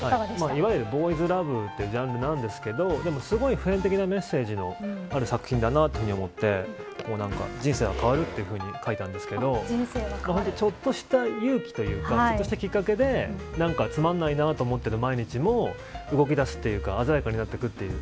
いわゆるボーイズラブというジャンルなんですけどでも、すごい普遍的なメッセージのある作品だなと思って人生は変わると書いたんですけどちょっとした勇気というかちょっとしたきっかけでつまんないなと思ってる毎日も動き出しているか鮮やかになっていくという。